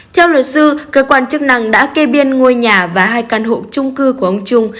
theo luật sư cơ quan chức năng đã kê biên ngôi nhà và hai căn hộ trung cư của ông trung